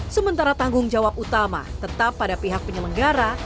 sementara tanggung jawab utama tetap pada pihak penyelenggara